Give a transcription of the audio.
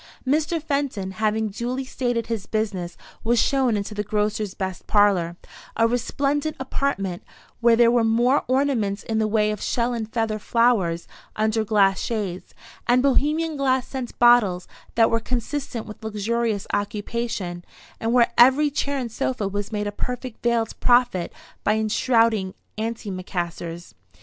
Mr. Fenton, having duly stated his business, was shown into the grocer's best parlour a resplendent apartment, where there were more ornaments in the way of shell and feather flowers under glass shades, and Bohemian glass scent bottles, than were consistent with luxurious occupation, and where every chair and sofa was made a perfect veiled prophet by enshrouding antimacassors.